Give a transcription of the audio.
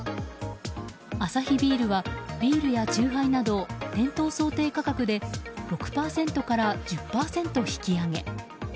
アサヒビールはビールや酎ハイなど店頭想定価格で６％から１０％引き上げ。